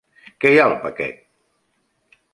Què hi ha al paquet?